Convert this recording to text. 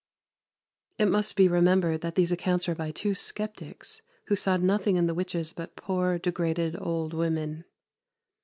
" It must be remembered that these accounts are by two sceptics, who saw nothing in the witches but poor, degraded old women.